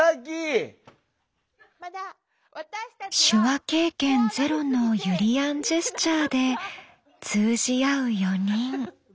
手話経験ゼロのゆりやんジェスチャーで通じ合う４人。